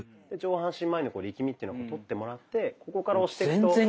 で上半身まわりの力みっていうのをとってもらってここから押してくと。